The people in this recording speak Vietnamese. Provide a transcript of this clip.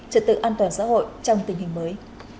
trật tự an toàn xã hội trong tình hình mới